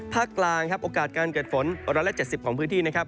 ภาคกลางโอกาสการเกิดฝนร้อยละปากสิบของพื้นที่นะครับ